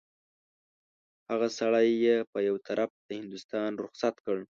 هغه سړی یې په طرف د هندوستان رخصت کړ.